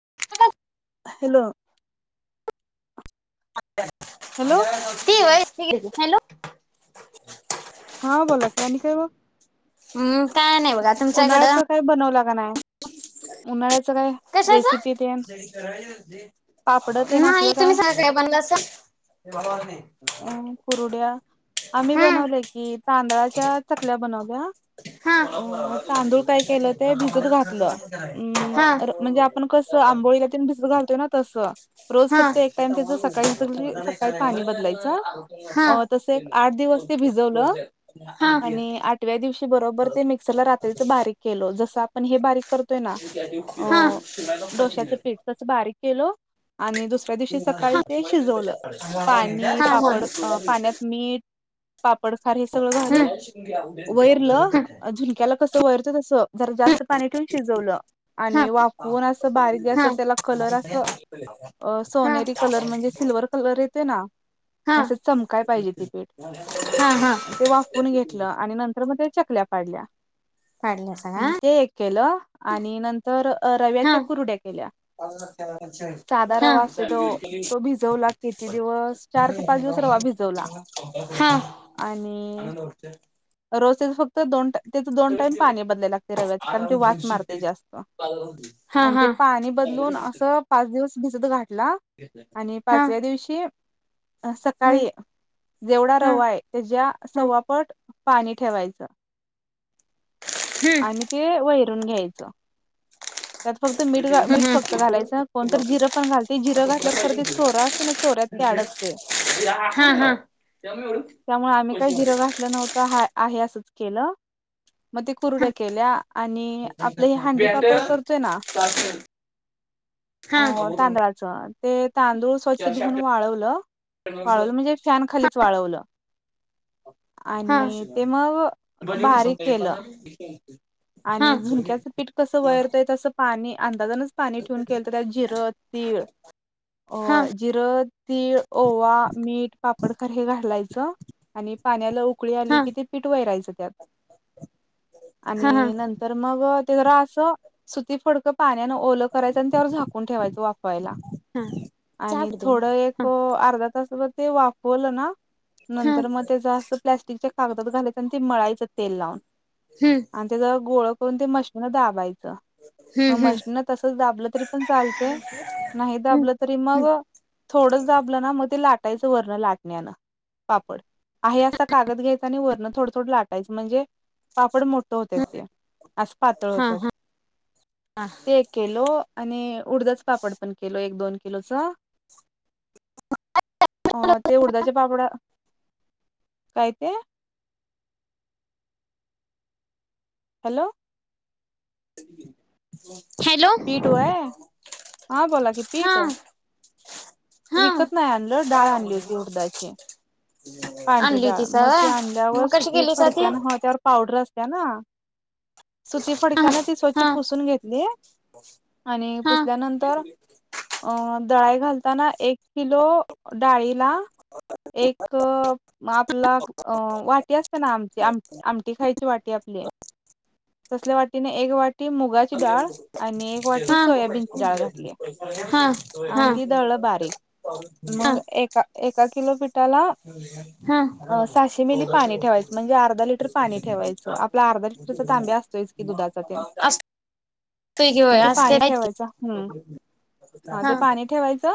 [unintelligible] Hello. Hello त व ठी हॅलो. हा बोला आणि की काय मग. हम्म काय नाही बघा तुमच्याकडं उन्हाळ्याचं काय [unintelligible] कश्याचा. रेसिपी तेन पापड तेन नाही असलं तुम्ही सांग काय बनललास. अ कुरुड्या आम्ही हम्म बनवले. कि तांदळाच्या चकल्या बनवल्या हा हा अ तांदूळ काय केलं ते भिजत घातलं हा हा म्हणजे आपण कस आंबोळीला त भिजू घालतोय ना तसं रोज हा हा हा फक्त एक टाइम हा हा त्याच सकाळी भजर हा सकाळी पाणी बदलाय च अ आठ दिवस ते भीजवल आणि आठव्या दिवशी मी बरोबर ते मीकसरला बारिक केल जसा आ पण हे बारीक करतोय ना अ डोश्याचं पीठ तसं बारीक केलं आणि दुसऱ्या दिवशी सकाळी ते शिजवलं पाणी पापड अ पाण्यात मीठ पापडखार हे सगळं घालून वैरलं झुणक्याला कसं वैरचं तसं जरा आ जास्त पाणी ठेवून शिजवलं. आणि वापून अस बारीक अस त्याला कलर असं हा हा सोनेरी कलर म्हणजे सिलवहर कलर येत ना हा अस चमकाला पाहिजे ती पीठ हा ते अ वाफून घेतल्या अ आणि नंतर म त्या चकल्या पाडल्या. काढलं सगळा ते एक केलं आणि अ नंतर रव्याच्या हा कुरड्या केल्या. साधा रवा असते तोअ हा तोअ भिजवला किती दिवस चार ते पाच दिवस रवा भिजवला हा. आणि रोसेज फक्त दोनटया त्याच दोन टाईम पाणी बदलाय लागतेअ रव्याचंं कारण ते वास मारतेअ जास्त हा आणि हा ते पाणी ब बदलून असं पाच दिवसअ भिजत घातला आ आणि हा पाचव्या दिवशी अ ह सकाळी जेवढाअ ह ह रवा हाय त्याच्या सव्वा पट पाणी ठेवायचं हम्म आणि ती वै धून घ्यायचंय. त्यात फक्तमीठ मीठ हम् फक्त घालायचं कोणत अ जिरं पण घालायच जिरं घातल्यावर खरं ते सोडा असते ना सोड्यात ते अडकते. हा हा. त्यामुळे आम्ही काहीई जिरं घातलं नव्हतंअ आ आहे असंच केलं मग ते कुरड्या हा केल्याअ आणि आपलं हे हांडीपापड करतोय ना अ हा हा तांदळाचा. तेअ तांदूळ स्वच्छ धुवून वाळवलंअ वाळवलंअ म्हणजे फॅन खालीचं वाळवलं हा आणि हा ते मगं अ बारीक केलं. आणि झुणक्याचं पीठ कसं वैरते तसं पाणी दादाणच पाणी ठेवून केलंत त्यात जी़रं, तीळ अ जिरं, तीळ, ओवा, मीठ, पापडखार हे घालायचं. आणि पाण्याला ऊकळी आली किई ते पिठं वैरायचं त्यात. ख थरथर आणि नंतर मग ते जरा असं सुती फडक पाण्यानंअ ओलं करायचं अन त्यावर झाकून ठेवायचं वाफवायला. हा आणि चाप दे थोडं ह एकहो अर्धा तासभर ते वापरलं ना हम्म नंतर मग त्याच असं प्लॅस्टिकच्या कागदात घालायच अन ते मळायच. त तेल लावून. आणि त्याचा गोळ करून ते मशीन दाबायचं, हम्म मग हम्म मशीन तसेच दाबलं तरी पण चालते. नाही दाबलं तरी हम्म मगं थोडं दाबलं नां मगं ते लाट. त ईच वरण लाटणयान पापड आई असं कागद घेतांनी वरण. थोडं थोडं लाटाचंअ म्हणजे? पापड मो आज पातळ हा होतं हा ते केलंं, आणि... उडदाच पापड पणं केलो एक, दोन, किलोचं अ ते उडदाचे पापडा काय? तेए हॅलो ओओओओ हॅलो पीठ वय हा बोला की पीठ हाअं विकत नाहीई आणलं दाळ आणली होती उडदाची. पांढरी आणली डाळ होतीस मग ते व्हय आणल्यावर मग कशी सुती केलीस ती फडक्यानं हं त्यावर पावडर असत. त्यानं सुती हा फडक्यान ती स्वछ हा पुसून घेतली. आणि हा हा पुसल्यानंतर अअअ. दळाई घालताना एक किलो डाळीला एक आपला अ वाटी असते ना आमचीम आमटी खायची वाटी आपली तसल्या वाटीने एक वाट मुगाची डाळ आणि एक वाटी हा सोयाबीनची डाळ घातली हा आणि ती द ब मिो हा हा सश मिली पाणी ठेवायच म्हणजे अर्धा लिटर पाणी ठेवायच आप अर्धा ल त तांब्या असतोयस की दुधाचा ते अस पैकी मग होय ते असते पाणी आहेत की ठेवायचं हम्म हा ते पाणी ठेवायचं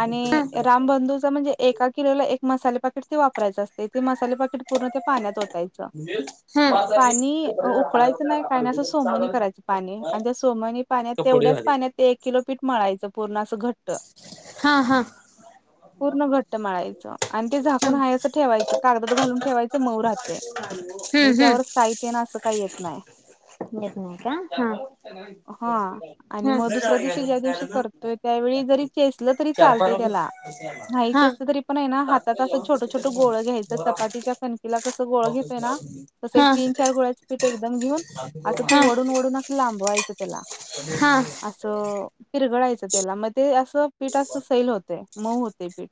आणि रामबंधूच म्हणजे एका किलोला एक मसाले पकेट वापरायचे असते ते प उकच नाही करायच पाणी आणि सोमनी पाण्यात तेवढ्याच पाण्यात एक किलो पीठ मळायचं पूर्ण हा हा हा पूर्ण घट हा अस ठेवायचं कागदात घालून ठेवायचं मऊहते हम्म म्हणजे त्यावर साहित्यन असं काही येत नाही घेत नाही का हा आणि मग ह ह री स तरी चालत त्याला नाही हा अस तरी पण हात छोट गोळ घ्यायचं चपातीच्या खणकीला कसं गोळ घेतोय ना तस एक हा हा तीन चार गोळ्याच पीठ एकदम घेऊन असं ते हा वडून वडून असं लांब त्या हा हा अस पिरगडयचं त्याला मग ते असं पीठ असं सैल होतेय मऊ होते पीठ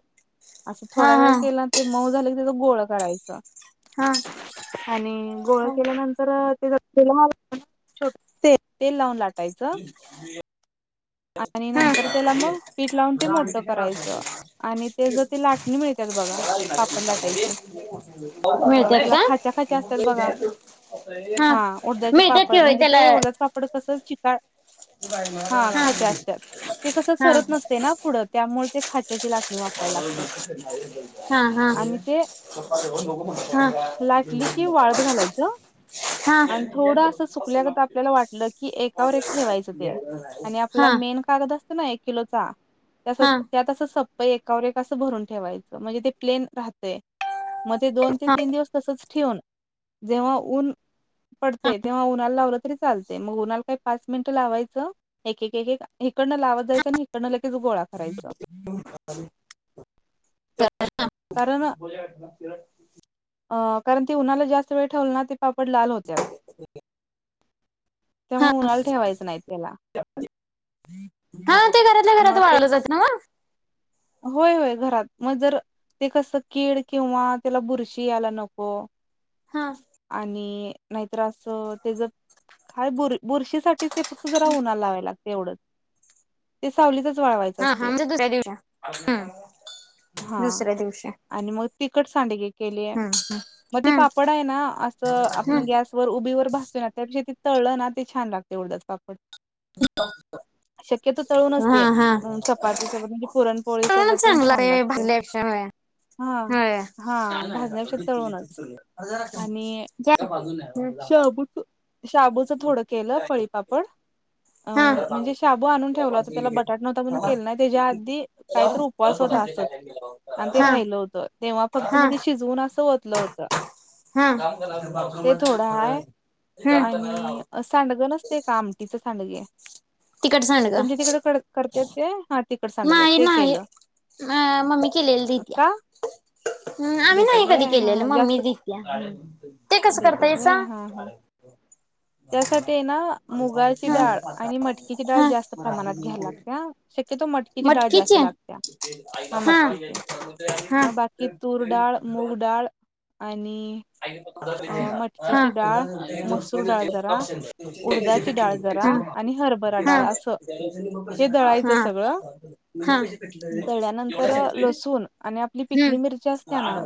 असं थोड्या हा वेळस मऊ झा क त्या गोळ काढायच हा हा आणि गोळ केल्यानंतर तेला छोट तेल लावून लागत ह आणि नंतर त्याला मग पीठ लावून ते मोठं करायचं आणि ते जर ती लाटणी मिळते बघ अ मिळतात त्याला का खाच्या खाच्या असतात बघा हा उडधाचे मिळतात कि पापड होय म्हणजे ते डदाच पापड कसं चिका त बाय म खाच्या असतात ते कसं सरत नसते ना पुढं त्यामुळे ते खाच्याची ला. हा हा. आणि ते चपा नोको म्ह. लाटली की वाळत घालायचं आणि थोडं असं सुकल्याकर आपल्याला वाटलं की एकावर एक ठेवायचं ते आणि आपला हा मेन कागद असत ना एक किलोचा त्यात एकावर एक असं भरून ठेवायचं म्हणजे ते प्लेन राहत मग ते दोन ते तीन दिवस तसच. ठेवून जेव्हा ऊन पडते तेव्हा उन्हाला लावलं तरी चालते मग उन्हाला काही पाच मिनिटं लावायचं एक [inaudible] इकडनं लावत जायचं आणि इकडनं लगेच गोळा करायचा. [unintelligible] अ कारण ती उन्हाला जास्त वेळ ठेवली ना ते पापड लाल होत्या. हा. त्याला हा ते घरातल्या घरात मग ते वाळवलं जात ना. होय होय घरात मग जर ते कसं कीड किंवा त्याला बुरशी यायला नको हा आणि नाहीत असं ते ज काय बर बुरशी साठी ते फक्त जरा उन्हाला लावाय लागत. तेवढच ते सावलीच. हा हा म्हणजे दुसऱ्या दिवसा ह. हा आणि मग तिकट सांडगी केलीय. हम्म मग ते हम्म पापड आहे ना असं हम्म आपण गॅसवर उभीवर भासतोय त्या तळलं ना ते छान लागते उरडच पापड [inaudible] शक्यतो तळून हम्म हा असते हा चपाती स म्हे पोळी तळूनच सोबत चांगला छान ते लागते भाजल्यापेक्षा होय हा. होय हा भाजण्यापेक्षा तळूनच आणि शबुठ शाबूचं थोडं केलं पळीपापड. अ हा म्हणजे शाबू आणून ठेवला होता त्याला बटाट नव्हता पणून केलं नाही त्याच्या आधी काहीत उपवास होता असंच आणि ते हा राहिलं होतं तेव्हा फक्त हा मग शिजवून असं होत. हो हा. ते थोड आहे हम्म. आणि का आमट सांड तिकट सांडग तुम तिकड. तिकड सांगत. नाही नाही आहे अ मम्मी केलेली तित्या का हम्म आम्ही नाही देतात कधी व्हय हा केलेलं हा मम्मी जास्त जित्या ते कसं करता देतात याचा. व्हय [inaudible] त्यासाठी ना मुगाची डाळ आणि मटकीची डाळ हा जास्त प्रमाणात घ्याला लागते शक्यतो मटकी. किती डाळ जास्त लागत. हा मटकीचे हा. हा. मग बाकी तूर डाळ मूगडाळ. आणि अ मटकेची हा. डाळ मसूर डाळ जरा उडदाची डाळ जरा आणि हभराडाळ अस हे तयचं सगळ हा. तनंतर लसूण आणि आपली हम्म. पिकली मिरची असते ना.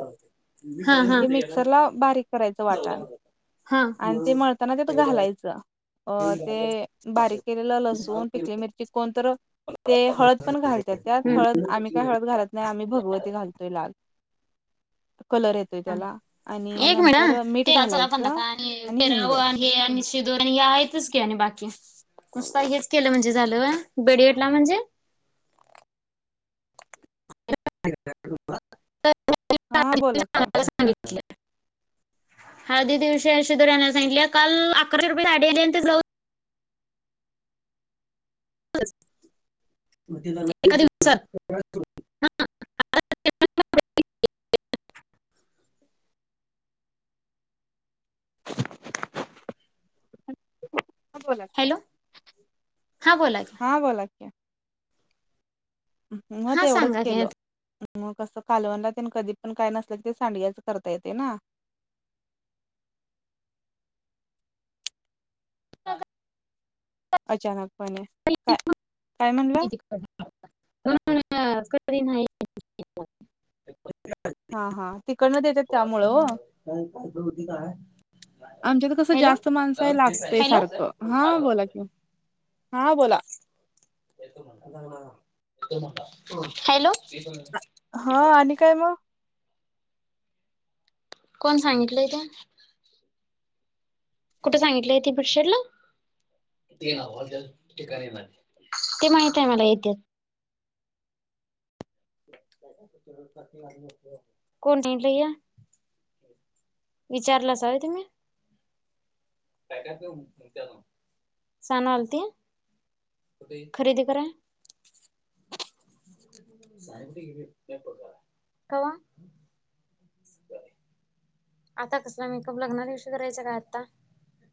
हा हे हाला. मिक्सरला बारीक करायचं वाटण आणि ते मळताना तेत घालायचं. अ ते बारीक केलेलं लसूण पिकली मिरची कोणत? ते हळद पण घालतात त्यात हम्म. हळद आम्ही काय हळद घालत नाही आम्ही भगवती घालतोय लाल. कलर येतोय त्याला आणि एक मिनिट नंतर मीठ ते आ आपण दा घालायचं का आणि ते हिंग राव आणि आणि शिधू आणि हे आहेतच की आणि बाकी. नस का हेच केलं म्हणजे झालं बेडटला म्हणजे [inaudible] हा बोला कि हळदी दिवशी अे दना सांगितले काल अकराशे रुपये साडीली जाऊ एादसात [unintelligible] बोलातते हॅलो हा बोला की हा बोला क मग ते हा एवढंच सांगा केल की मग कसं कालवं राात कधी पण काय नसलं क ते सांड्याच करता येते ना [unintelligible] अचानकपणे काय काय म्हणला नाही हा हा तिकडन येतात त्यामुळं हो आमच्यात कसं हॅलो जास्त माणसं आहे लागतय हॅलो सारखं हा बोला कि हा बोला हॅलो हा आणि काय मग कोण सांगितलंय ते कुठे सांगितलंय ती बशरला ठा ते माहित आहे मला येत कोणी लया विचारलंच हव तुम्ही काय काय सनाल ते खरेदी कय [unintelligible] आता कसला मेकअप लग्ना दिवशी करायचा काय आत्ता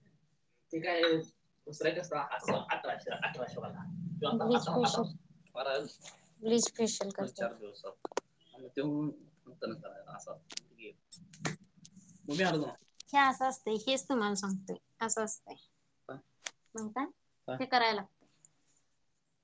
ह ठीक आहे दुसरं कस अस अठराशे अठराशेवाला किं िजेशल चार दिवसात आणि तेत न असा म्ह हे असं असतं हेच तुम्हाला सांगतोय असं असतंय म्हणता ते करायला लागत [unintelligible]